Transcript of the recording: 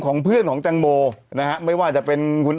ที่หลังก็ช่วยเสียนให้กูด้วย